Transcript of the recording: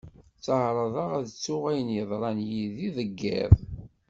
Tteɛraḍeɣ ad ttuɣ ayen i yeḍran yid-i deg yiḍ.